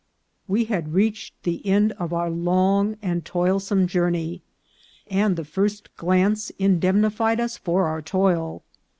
We had reached the end of our long and toilsome journey, and the first glance indemnified us for our toil.